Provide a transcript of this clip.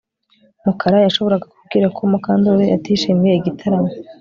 Mukara yashoboraga kubwira ko Mukandoli atishimiye igitaramo